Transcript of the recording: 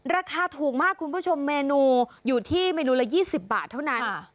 ราคาถูกมากคุณผู้ชมเมนูอยู่ที่เมนูละ๒๐บาทเท่านั้น